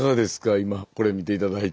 今これ見て頂いて。